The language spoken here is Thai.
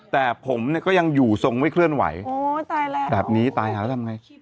แต่ผมเนี่ยก็ยังอยู่ทรงไม่เคลื่อนไหวโอ้ตายแล้วแบบนี้ตายหาแล้วทำไง